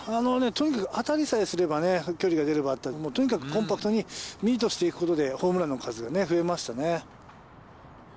とにかく当たりさえすれば距離が出るバッターでとにかくコンパクトにミートして行くことでホームランの数が増えましたね。